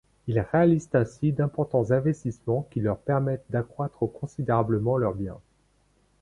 Ils réalisent ainsi d’importants investissements qui leur permettent d’accroître considérablement leurs biens.